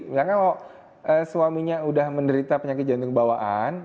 misalkan kalau suaminya sudah menderita penyakit jantung bawaan